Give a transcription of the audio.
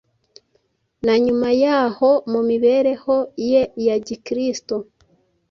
Na nyuma y’aho, mu mibereho ye ya Gikristo,